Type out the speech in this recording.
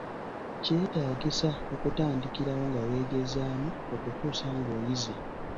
Kyetaagisa okutandikirawo nga weegezaamu okutuusa ng’oyize.